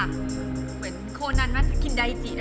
เหมือนโคนนั้นคินไดจิ